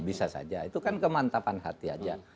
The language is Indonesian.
bisa saja itu kan kemantapan hati aja